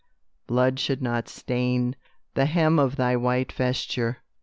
blood should not stain The hem of thy white vesture.